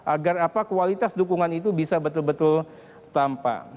agar apa kualitas dukungan itu bisa betul betul tampak